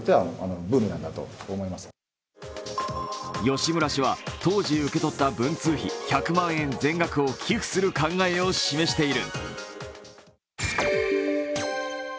吉村氏は当時、受け取った文通費１００万円全額を寄付する考えを示している。